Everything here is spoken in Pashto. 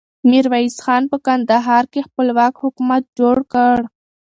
ميرويس خان په کندهار کې خپلواک حکومت جوړ کړ.